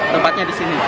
tempatnya di sini